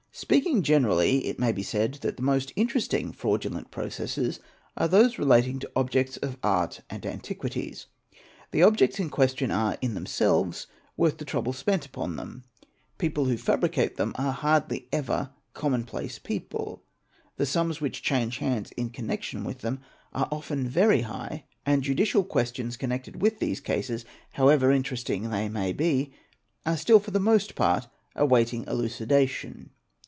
™, Speaking generally, it may be said that the most interesting fradulent processes are those relating to objects of art and antiquities. The objects in question are in themselves worth the trouble spent upon them; people who fabricate them are hardly ever common place people, the sums which change hands in connection with them are often very high, and judicial questions connected with these cases, however interesting they may be, are still for the most part awaiting elucidation.